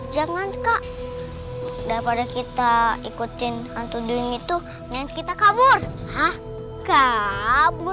jangan kak udah pada kita ikutin hantu duing itu nanti kita kabur hah kabur